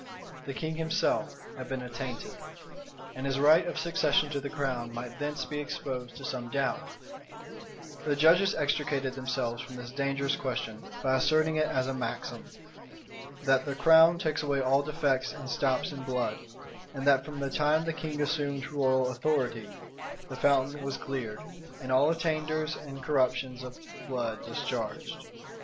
The king himself had been attainted; and his right of succession to the crown might thence be exposed to some doubt The judges extricated themselves from this dangerous question by asserting it as a maxim, "That the crown takes away all defects and stops in blood; and that from the time the king assumed royal authority, the fountain was cleared, and all attainders and corruptions of blood discharged."